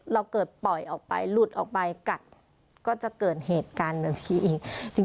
เราเกิดปล่อยออกไปหลุดออกไปกัดก็จะเกิดเหตุการณ์แบบนี้อีก